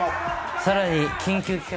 さらに緊急企画。